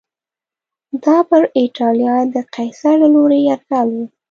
دا پر اېټالیا د قیصر له لوري یرغل و